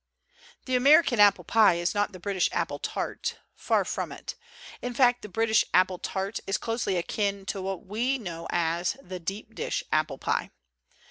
The American apple pie is not the British apple tart, far from it. In fact the British apple tart is closely akin to what we know as the "deep dish apple pie."